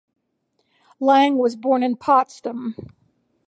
Lange was born in Potsdam.